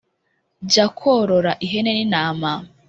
jya korora ihene n’intama